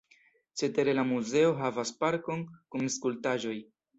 Cetere la muzeo havas parkon kun skulptaĵoj.